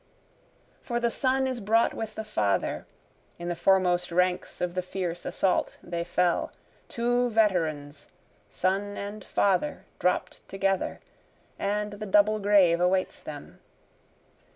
For the son is brought with the father, (In the foremost ranks of the fierce assault they fell, Two veterans son and father dropt together, And the double grave awaits them.)